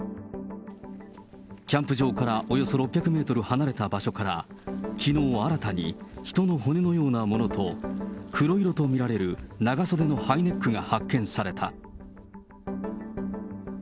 キャンプ場からおよそ６００メートル離れた場所から、きのう新たに人の骨のようなものと、黒色と見られる長袖のハイネックが発見された。